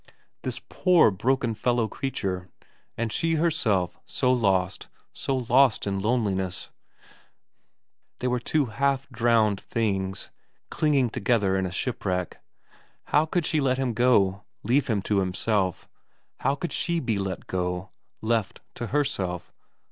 This poor broken fellow creature and she herself, so lost, so lost in loneliness they were two half drowned things, clinging together in a shipwreck how could she let him go, leave him to himself how could she be let go, left to herself.